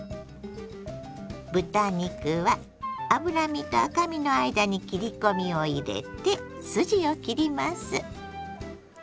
豚肉は脂身と赤身の間に切り込みを入れて筋を切ります。